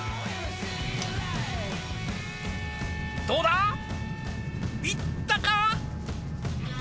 どうだいったか！？